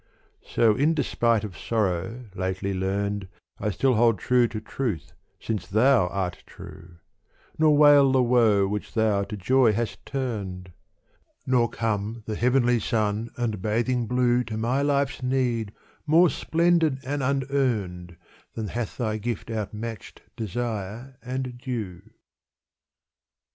So in despite of sorrow lately learned I still hold true to truth since thou art true, Nor wail the woe which thou to joy hast turned Nor come the heavenly sun and bathing blue To my life's need more splendid and unearned Than hath thy gift outmatched desire and due.